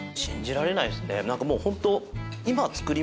なんかもうホント。